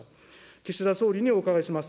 岸田総理にお伺いします。